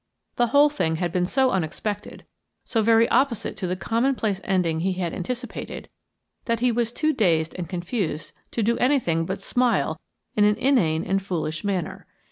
The whole thing had been so unexpected, so very opposite to the commonplace ending he had anticipated, that he was too dazed and confused to do anything but smile in an inane and foolish manner.